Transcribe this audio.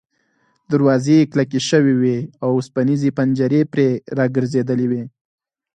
دروازې یې کلکې شوې وې او اوسپنیزې پنجرې پرې را ګرځېدلې وې.